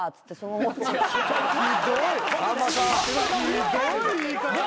ひどい言い方。